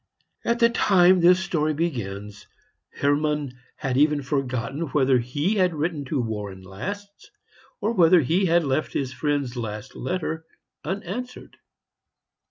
At the time this story begins, Hermann had even forgotten whether he had written to Warren last, or whether he had left his friend's last letter unanswered.